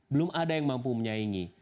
belum ada yang mampu menyaingi